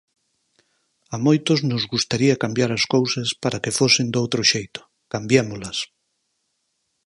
A moitos nos gustaría cambiar as cousas para que fosen doutro xeito: cambiémolas.